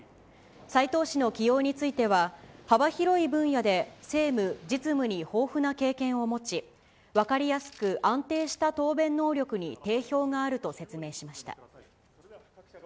斎藤氏の起用については、幅広い分野で政務、実務に豊富な経験を持ち、分かりやすく安定した答弁能力に定評があると説明しました。